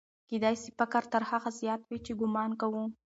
کېدای سي فقر تر هغه زیات وي چې ګومان کوو.